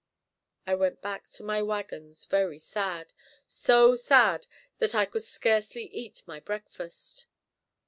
I went back to my wagons very sad, so sad that I could scarcely eat my breakfast.